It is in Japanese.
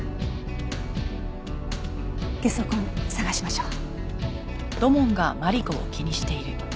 ゲソ痕捜しましょう。